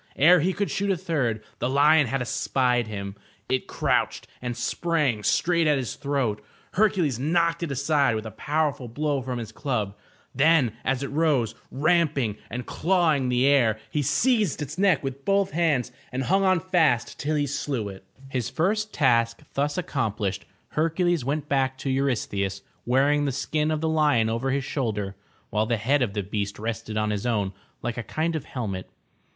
Ere he could shoot a third, the lion had espied him. It crouched and sprang straight at his throat. Hercules knocked it aside with a powerful blow from his club, then as it rose ramping and clawing the air, he seized its neck with both hands and hung on fast till he slew it. 425 MY BOOK HOUSE His first task thus accomplished, Hercules went back to Eurystheus, wearing the skin of the lion over his shoulder while the head of the beast rested on his own like a kind of helmet.